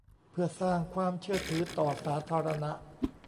เพื่อสร้างความเชื่อถือต่อสาธารณะ